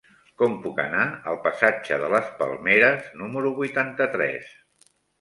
Com puc anar al passatge de les Palmeres número vuitanta-tres?